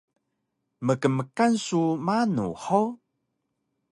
Mkmkan su manu hug?